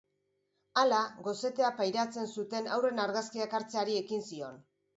Hala, gosetea pairatzen zuten haurren argazkiak hartzeari ekin zion.